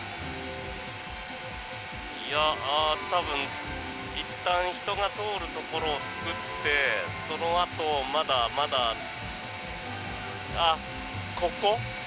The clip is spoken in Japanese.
多分、いったん人が通るところを作ってそのあとまだまだ、ここ？